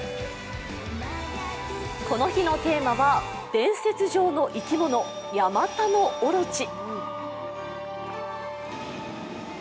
この日のテーマは伝説上の生き物、ヤマタノオロチ。